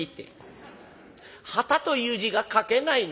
『はた』という字が書けないの」。